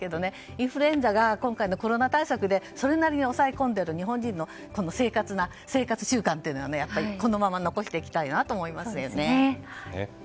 インフルエンザが今回のコロナ対策でそれなりに抑え込んでいる日本人の生活習慣はこのまま残していきたいなと思います。